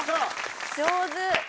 上手。